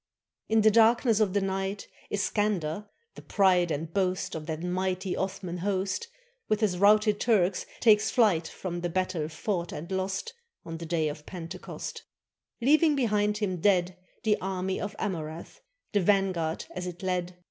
In the darkness of the night, Iskander, the pride and boast 473 TURKEY Of that mighty Othman host, With his routed Turks, takes flight From the battle fought and lost On the day of Pentecost; Leaving behind him dead The army of Amurath, The vanguard as it led.